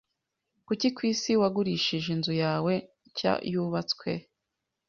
Kuki kwisi wagurishije inzu yawe nshya yubatswe?